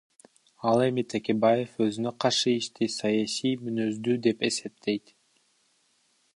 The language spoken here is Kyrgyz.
Ал эми Текебаев өзүнө каршы ишти саясий мүнөздүү деп эсептейт.